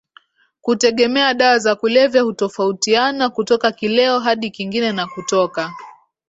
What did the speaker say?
kutegemea dawa za kulevya hutofautiana kutoka kileo hadi kingine na kutoka